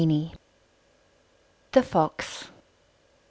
] THE FOX.